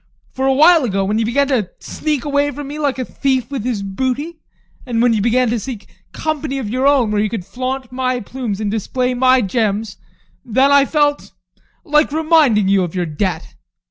For a while ago, when you began to sneak away from me like a thief with his booty, and when you began to seek company of your own where you could flaunt my plumes and display my gems, then I felt, like reminding you of your debt.